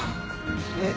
えっ？